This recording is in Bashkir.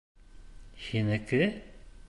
Һинеке?